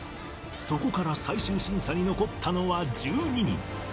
そこから最終審査に残ったのは１２人。